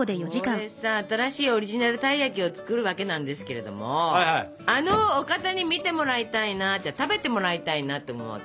これさ「新しいオリジナルたい焼き」を作るわけなんですけれどもあのお方に見てもらいたいな食べてもらいたいなと思うわけ。